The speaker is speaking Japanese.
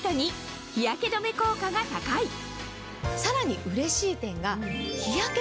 さらにうれしい点が。